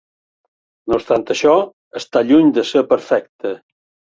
No obstant això, està lluny de ser perfecte.